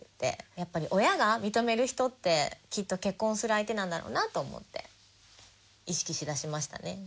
やっぱり親が認める人ってきっと結婚する相手なんだろうなと思って意識しだしましたね。